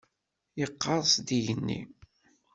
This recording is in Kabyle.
Yeqqers-d igenni.